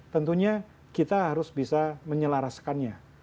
tentunya kita harus bisa menyelaraskannya